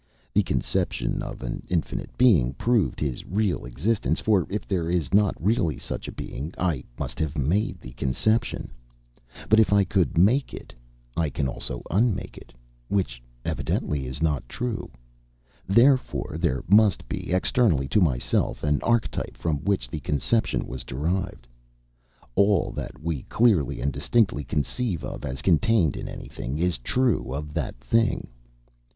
The conception of an infinite being proved his real existence, for if there is not really such a being I must have made the conception; but if I could make it I can also unmake it, which evidently is not true; therefore there must be externally to myself, an archetype from which the conception was derived.".... "All that we clearly and distinctly conceive as contained in anything is true of that thing."